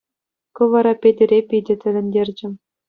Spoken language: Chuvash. Ку вара Петӗре питӗ тӗлӗнтерчӗ.